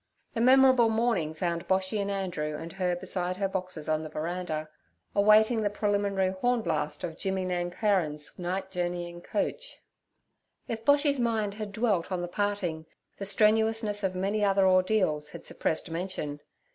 The memorable morning found Boshy and Andrew and her beside her boxes on the veranda, awaiting the preliminary horn blast of Jimmy Nancarron's night journeying coach. If Boshy's mind had dwelt on the parting, the strenuousness of many other ordeals had suppressed mention.